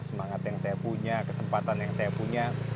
semangat yang saya punya kesempatan yang saya punya